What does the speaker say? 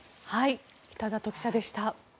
北里記者でした。